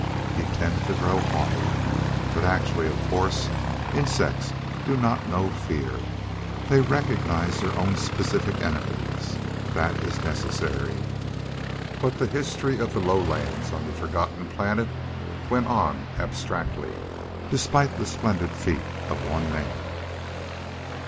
He tended to grow haughty. But actually, of course, insects do not know fear. They recognize their own specific enemies. That is necessary. But the his of the lowlands on the forgotten planet went on abstractedly, despite the splendid feat of one man.